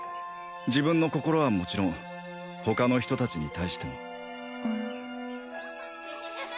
自分の心はもちろん他の人達に対しても